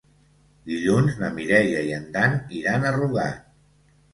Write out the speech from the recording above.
Dilluns na Mireia i en Dan iran a Rugat.